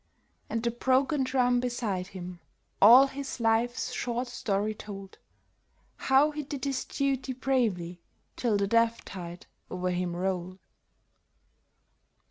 And the broken drum beside him all his life's short story told ; How he did his duty bravely till the death tide o'er him rolled.